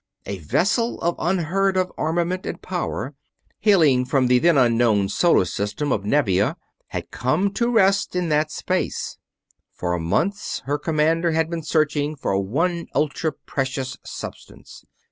A vessel of unheard of armament and power, hailing from the then unknown solar system of Nevia, had come to rest in that space. For months her commander had been searching for one ultra precious substance.